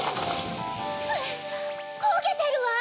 こげてるわ！